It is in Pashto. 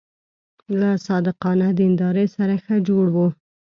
له صادقانه دیندارۍ سره ښه جوړ و.